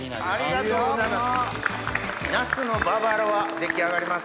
ありがとうございます。